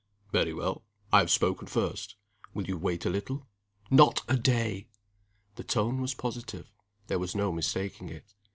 "Very well. I've spoken first. Will you wait a little?" "Not a day!" The tone was positive. There was no mistaking it.